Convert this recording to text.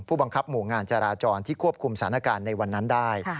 บังคับหมู่งานจราจรที่ควบคุมสถานการณ์ในวันนั้นได้